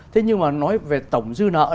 thế nhưng mà nói về tổng dư nợ